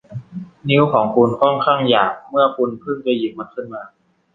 นิ้วของคุณค่อนข้างหยาบเมื่อคุณเพิ่งจะหยิบมันขึ้นมา